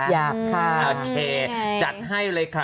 อยากค่ะโอเคจัดให้เลยค่ะ